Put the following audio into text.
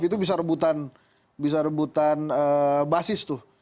itu bisa rebutan basis tuh